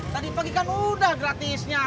tadi pagi kan udah gratisnya